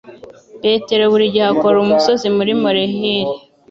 Petero buri gihe akora umusozi muri molehill.